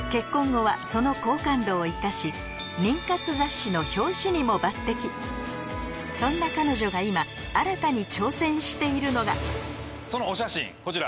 結婚後はその好感度を生かしにも抜てきそんな彼女が今新たに挑戦しているのがそのお写真こちら。